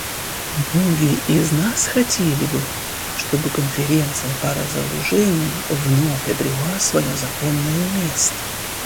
Многие из нас хотели бы, чтобы Конференция по разоружению вновь обрела свое законное место.